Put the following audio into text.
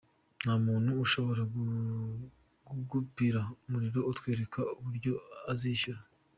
Nta muntu dushobora gukupira umuriro atwereka uburyo azishyura.